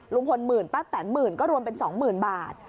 ลุงพลหมื่นป้าแตนหมื่นก็รวมเป็น๒๐๐๐บาท